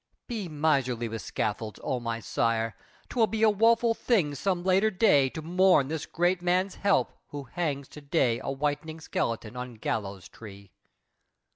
Be miserly with scaffolds, O my sire! 'Twill be a woful thing some later day To mourn this great man's help, who hangs to day A whitening skeleton on gallows tree!